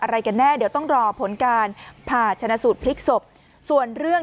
อะไรกันแน่เดี๋ยวต้องรอผลการผ่าชนะสูตรพลิกศพส่วนเรื่อง